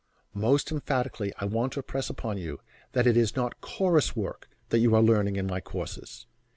Most emphatically I want to impress upon you that it is not "chorus work" you are learning in my courses.